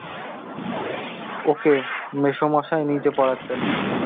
ওকে মেসোমশায় নিজে পড়াতেন।